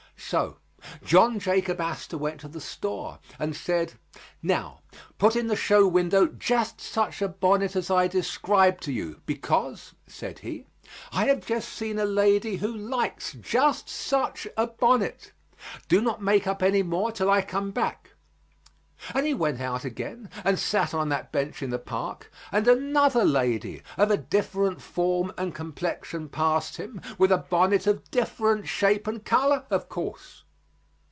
So John Jacob Astor went to the store and said: "Now, put in the show window just such a bonnet as I describe to you because," said he, "I have just seen a lady who likes just such a bonnet. Do not make up any more till I come back." And he went out again and sat on that bench in the park, and another lady of a different form and complexion passed him with a bonnet of different shape and color, of course.